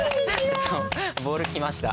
ボール来ました。